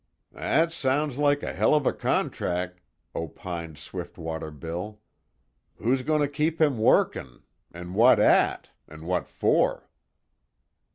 "That sounds like a hell of a contrack," opined Swiftwater Bill. "Who's goin' to keep him workin', an' what at, an' what for?"